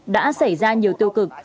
đã xảy ra nhiều tiêu cực